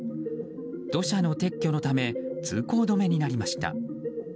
土砂の撤去のため通行止めとなりました。